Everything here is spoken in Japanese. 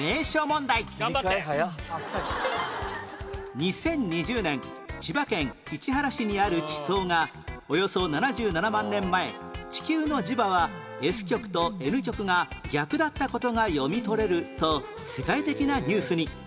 ２０２０年千葉県市原市にある地層がおよそ７７万年前地球の磁場は Ｓ 極と Ｎ 極が逆だった事が読み取れると世界的なニュースに